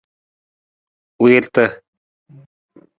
Wiirata.